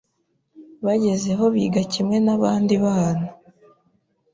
bagezeho biga kimwe n’abandi bana.